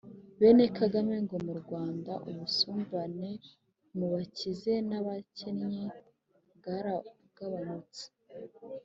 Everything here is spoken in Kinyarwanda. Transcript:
Bene Kagame ngo mu Rwanda ubusumbane mubakize nabakennye bwaragabanutse.